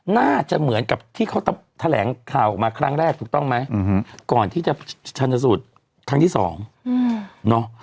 น่าจะเหมือนกับที่เขาแถลงข่าวออกมาครั้งแรกถูกต้องไหมก่อนที่จะชันสูตรครั้งที่สองเนาะ